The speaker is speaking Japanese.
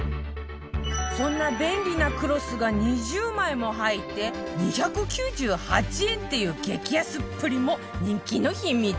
そんな便利なクロスが２０枚も入って２９８円っていう激安っぷりも人気の秘密